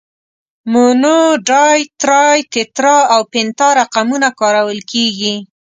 مونو، ډای، ترای، تترا او پنتا رقمونه کارول کیږي.